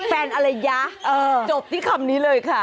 อะไรยะจบที่คำนี้เลยค่ะ